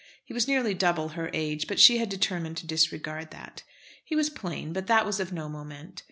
He was nearly double her age, but she had determined to disregard that. He was plain, but that was of no moment.